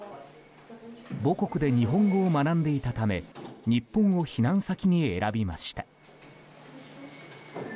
母国で日本語を学んでいたため日本を避難先に選びました。